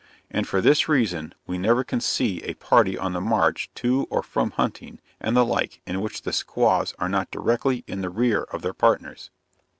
And for this reason we never can see a party on the march to or from hunting and the like, in which the squaws are not directly in the rear of their partners.